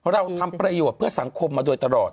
เราทำประโยชน์เพื่อสังคมมาโดยตลอด